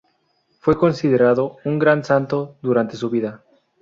Fue considerado un gran santo durante su vida.